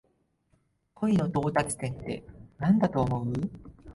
恋の到達点ってなんだと思う？